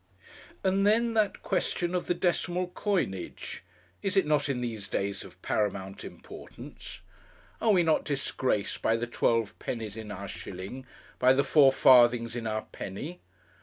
And then that question of the decimal coinage! is it not in these days of paramount importance? Are we not disgraced by the twelve pennies in our shilling, by the four farthings in our penny?